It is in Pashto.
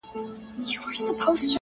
• اوښکي ساتمه ستا راتلو ته تر هغې پوري؛